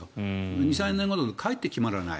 ２３年後だとかえって決まらない。